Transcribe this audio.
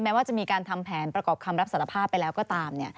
ว่าจะมีการทำแผนประกอบคำรับสารภาพไปแล้วก็ตาม